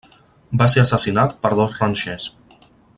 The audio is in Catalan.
Va ser assassinat per dos ranxers.